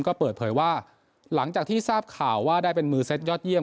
ก็เปิดเผยว่าหลังจากที่ทราบข่าวว่าได้เป็นมือเซ็ตยอดเยี